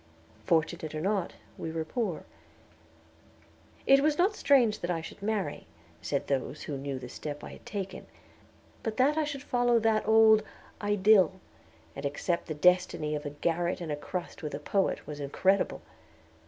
Fortunate or not, we were poor. It was not strange that I should marry, said those who knew the step I had taken; but that I should follow that old idyl; and accept the destiny of a garret and a crust with a poet, was incredible!